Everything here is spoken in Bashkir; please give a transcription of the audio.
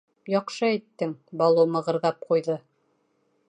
— Яҡшы әйттең, — Балу мығырҙап ҡуйҙы.